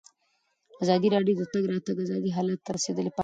ازادي راډیو د د تګ راتګ ازادي حالت ته رسېدلي پام کړی.